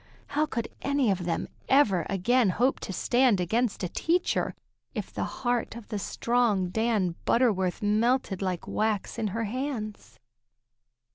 How could any of them ever again hope to stand against a teacher, if the heart of the strong Dan Butterworth melted like wax in her hands?